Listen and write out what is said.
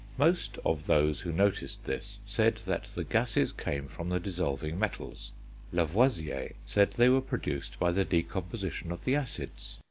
Most of those who noticed this said that the gases came from the dissolving metals; Lavoisier said they were produced by the decomposition of the acids.